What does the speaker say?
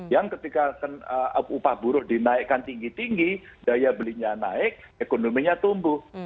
yang ketika upah buruh dinaikkan tinggi tinggi daya belinya naik ekonominya tumbuh